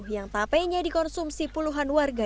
yang tapenya dikonsumsi puluhan warga